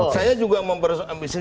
saya juga mau